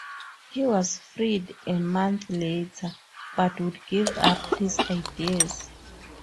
He was freed a month later, but would give up his ideas.